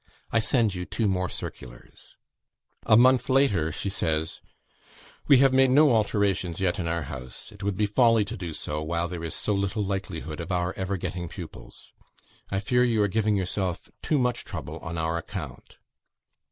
I send you two more circulars." A month later, she says: "We have made no alterations yet in our house. It would be folly to do so, while there is so little likelihood of our ever getting pupils. I fear you are giving yourself too much trouble on our account.